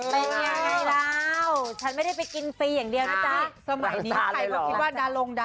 ทิ้งจะไปมาแล้วล้างไป